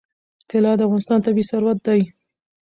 طلا د افغانستان طبعي ثروت دی.